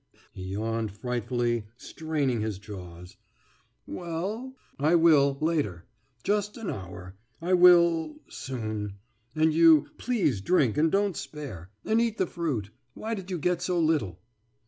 « He yawned frightfully, straining his jaws. »Well...?« »I will ... later. Just an hour. I will ... soon. And you, please drink and don't spare. And eat the fruit. Why did you get so little?